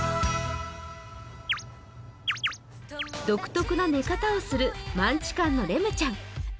独特な寝方をするマンチカンのレムちゃん。